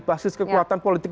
basis kekuatan politik